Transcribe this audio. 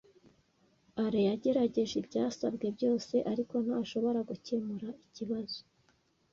Alain yagerageje ibyasabwe byose, ariko ntashobora gukemura ikibazo.